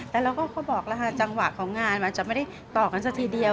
แต่เราก็บอกแล้วค่ะจังหวะของงานอาจจะไม่ได้ต่อกันสักทีเดียว